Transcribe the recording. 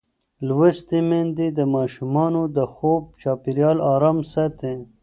لوستې میندې د ماشومانو د خوب چاپېریال آرام ساتي.